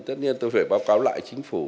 tất nhiên tôi phải báo cáo lại